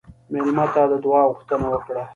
مېلمه ته د دعا غوښتنه وکړه.